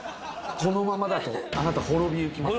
このままだとあなた滅び行きます。